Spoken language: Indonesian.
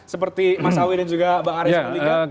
seperti mas awilin juga pak arief juga